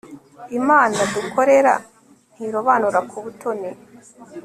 imana dukorera ntirobanura ku butoni